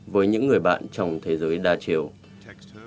với những người bạn trong thế giới đa dạng